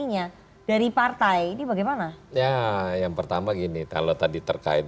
yang pertama gini kalau tadi terkait